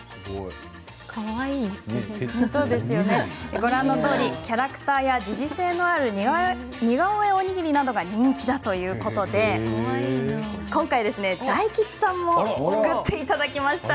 ご覧のとおり、キャラクターや時事性のある似顔絵おにぎりなどが人気だということで今回、大吉さんも作っていただきました。